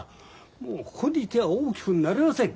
もうここにいては大きくなれません。